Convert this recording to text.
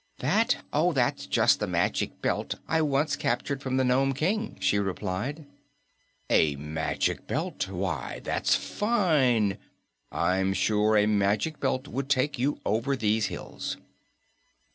"That? Oh, that's just the Magic Belt I once captured from the Nome King," she replied. "A Magic Belt! Why, that's fine. I'm sure a Magic Belt would take you over these hills."